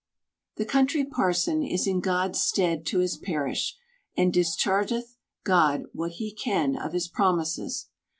The Country Parson is in God's stead to his parish, and dischargeth God what he can of his promises.